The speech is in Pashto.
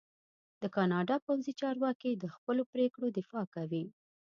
د کاناډا پوځي چارواکي د خپلو پرېکړو دفاع کوي.